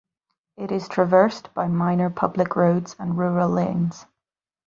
It is traversed by minor public roads and rural lanes.